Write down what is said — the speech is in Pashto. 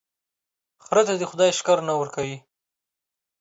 خره ته دي خداى ښکر نه ور کوي،